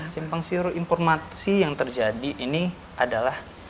simpang siur informasi yang terjadi ini adalah